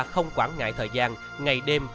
không quản ngại thời gian ngày đêm